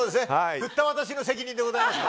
振った私の責任でございます。